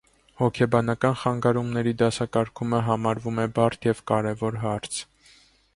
Հոգեբանական խանգարումների դասակարգումը համարվում է բարդ և կարևոր հարց։